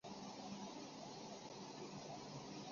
月台与站舍以地下通道连结。